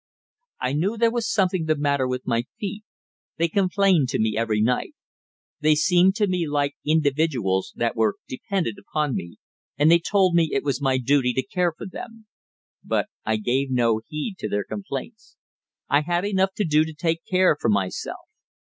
I knew there was something the matter with my feet; they complained to me every night. They seemed to me like individuals that were dependent upon me, and they told me it was my duty to care for them. But I gave no heed to their complaints. I had enough to do to care for myself.